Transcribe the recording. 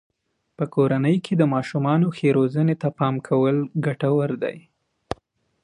په کورنۍ کې د ماشومانو ښې روزنې ته پام کول ګټور دی.